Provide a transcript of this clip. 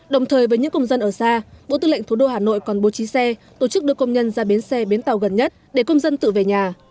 đồng thời với những công dân ở xa bộ tư lệnh thủ đô hà nội còn bố trí xe tổ chức đưa công nhân ra bến xe bến tàu gần nhất để công dân tự về nhà